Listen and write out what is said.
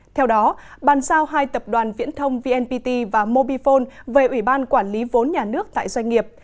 theo đó bàn giao hai tập đoàn viễn thông vnpt và mobifone về ủy ban quản lý vốn nhà nước tại doanh nghiệp